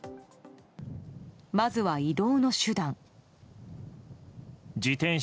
まずは移動の手段。